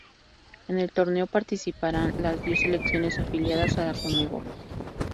En el torneo participarán las diez selecciones afiliadas a la Conmebol.